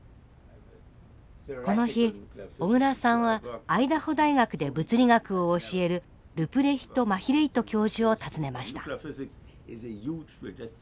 この日小倉さんはアイダホ大学で物理学を教えるルプレヒト・マヒレイト教授を訪ねました。